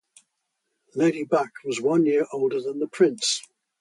Lady Bak was one year older than the Prince.